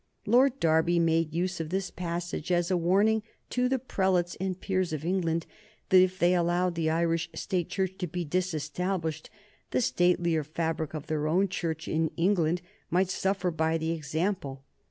Lord Derby made use of this passage as a warning to the prelates and peers of England that, if they allowed the Irish State Church to be disestablished, the statelier fabric of their own Church in England might suffer by the example.